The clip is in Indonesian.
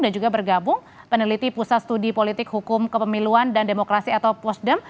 dan juga bergabung peneliti pusat studi politik hukum kepemiluan dan demokrasi atau posdem